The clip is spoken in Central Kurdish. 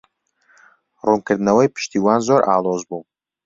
ڕوونکردنەوەی پشتیوان زۆر ئاڵۆز بوو.